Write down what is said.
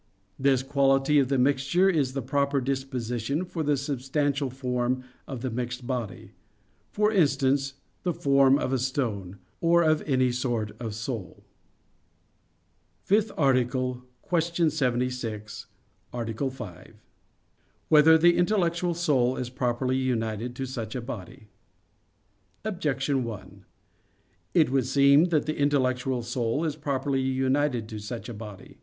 This quality of the mixture is the proper disposition for the substantial form of the mixed body; for instance, the form of a stone, or of any sort of soul. _______________________ FIFTH ARTICLE [I, Q. 76, Art. 5] Whether the Intellectual Soul Is Properly United to Such a Body? Objection 1: It would seem that the intellectual soul is improperly united to such a body.